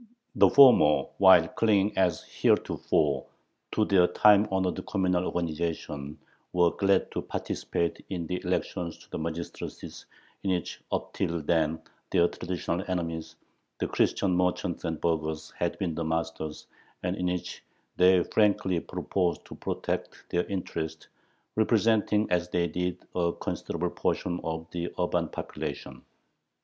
The former, while clinging as heretofore to their time honored communal organization, were glad to participate in the elections to the magistracies, in which up till then their traditional enemies, the Christian merchants and burghers, had been the masters, and in which they frankly proposed to protect their interests, representing as they did a considerable portion of the urban population.